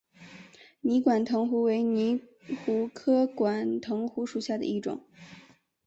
泥管藤壶为藤壶科管藤壶属下的一个种。